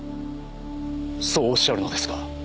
そうおっしゃるのですか？